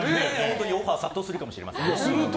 オファー殺到するかもしれませんね。